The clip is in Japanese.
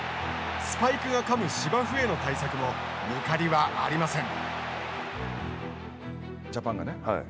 スパイクがかむ芝生への対策も抜かりはありません。